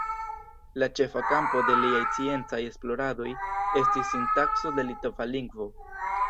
La ĉefa kampo de liaj sciencaj esploradoj estis sintakso de litova lingvo.